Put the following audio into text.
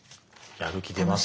やる気出ます